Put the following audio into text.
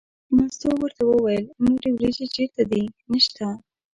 مستو ورته وویل نورې وریجې چېرته دي نشته.